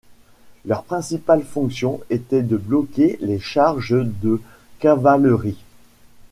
Leur principale fonction était de bloquer les charges de cavalerie.